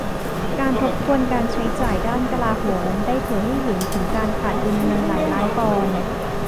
การทบทวนการใช้จ่ายด้านกลาโหมได้เผยให้เห็นถึงการขาดดุลเงินหลายล้านปอนด์